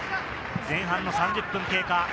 前半の３０分経過。